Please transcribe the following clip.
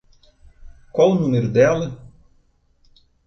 Qual o número dela?